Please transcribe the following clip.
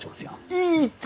いいって！